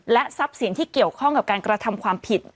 ทรัพย์สินที่เกี่ยวข้องกับการกระทำความผิด